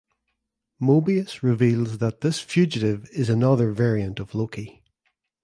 Mobius reveals that this fugitive is another variant of Loki.